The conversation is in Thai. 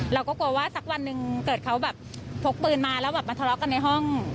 เราก็กลัวว่าสักวันหนึ่งเกิดเขาแบบพกปืนมาแล้วแบบมาทะเลาะกันในห้อง